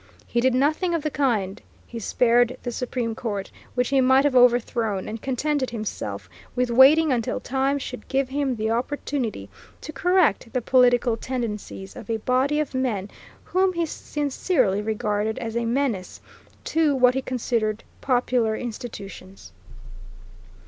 He did nothing of the kind. He spared the Supreme Court, which he might have overthrown, and contented himself with waiting until time should give him the opportunity to correct the political tendencies of a body of men whom he sincerely regarded as a menace to, what he considered, popular institutions.